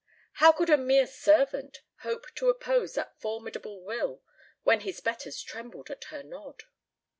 How could a mere servant hope to oppose that formidable will when his betters trembled at her nod?